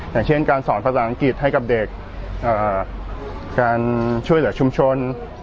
อย่างเช่นการสอนภาษาอังกฤษให้กับเด็กการช่วยเหลือชุมชน